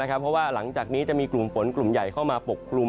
เพราะว่าหลังจากนี้จะมีกลุ่มฝนกลุ่มใหญ่เข้ามาปกกลุ่ม